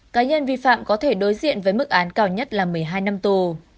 cá nhân vi phạm có thể đối diện với mức án cao nhất là một mươi hai năm tù